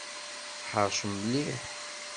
Tḥeṛcem mliḥ!